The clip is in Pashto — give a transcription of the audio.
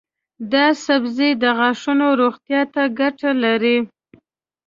دا سبزی د غاښونو روغتیا ته ګټه لري.